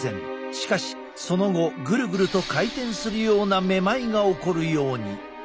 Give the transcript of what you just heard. しかしその後ぐるぐると回転するようなめまいが起こるように。